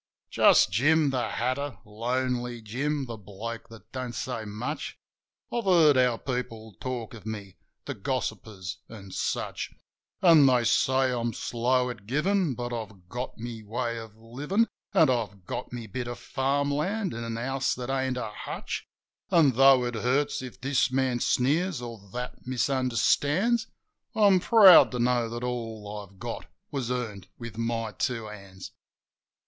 Just Jim the Hatter, Lonely Jim, the bloke that don't say much. I've heard how people talk of me: the gossippers an' such. ' An' they say I'm slow at givin' ; but I've got my way of livin', An' I've got my bit of farm land an' a house that ain't a hutch. An' tho' it hurts if this man sneers or that misunderstands, I'm proud to know that all I've got was earned with my two hands.